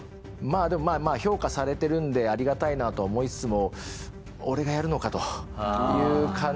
でもまあまあ評価されてるのでありがたいなとは思いつつも「俺がやるのか」という感じですよね。